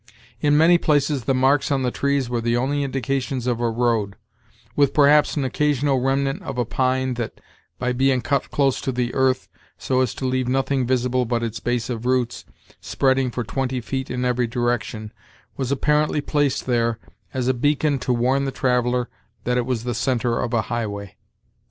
In many places the marks on the trees were the only indications of a road, with perhaps an occasional remnant of a pine that, by being cut close to the earth, so as to leave nothing visible but its base of roots, spreading for twenty feet in every direction, was apparently placed there as a beacon to warn the traveller that it was the centre of a highway.